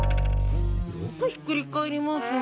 よくひっくり返りますね。